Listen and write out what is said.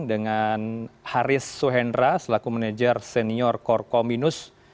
dengan haris soehendra selaku manajer senior korkominus